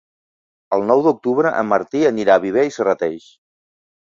El nou d'octubre en Martí anirà a Viver i Serrateix.